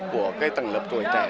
của cái tầng lập tuổi trẻ